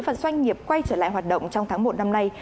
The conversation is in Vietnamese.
và doanh nghiệp quay trở lại hoạt động trong tháng một năm nay